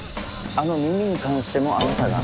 あの耳に関してもあなたが？